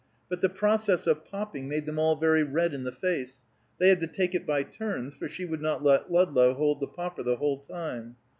But the process of popping made them all very red in the face; they had to take it by turns, for she would not let Ludlow hold the popper the whole time.